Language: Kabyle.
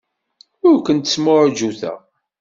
Ur kent-smuɛjuteɣ.